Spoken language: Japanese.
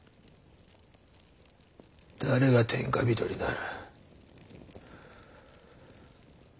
誰が天下人になる？